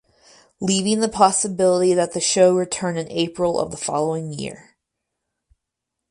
Leaving the possibility that the show returned in April of the following year.